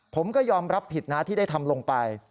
ผมก็ยอมรับผิดนะที่ได้ทำลงไป